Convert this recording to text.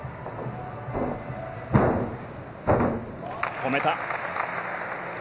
止めた。